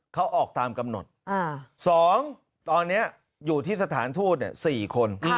เขาออกตามกำหนด๒ตอนนี้อยู่ที่สถานทูต๔คน